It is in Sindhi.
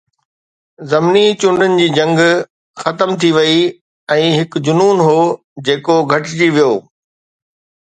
ضمني چونڊن جي جنگ ختم ٿي وئي ۽ هڪ جنون هو جيڪو گهٽجي ويو.